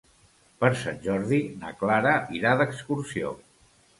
Per Sant Jordi na Clara irà d'excursió.